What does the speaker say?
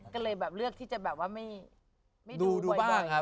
ก็เลยเลือกที่จะไม่ดูบ่อย